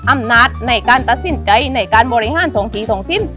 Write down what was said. อำนาจในการตัดสินใจในการบริหารถงสีทองสิ้น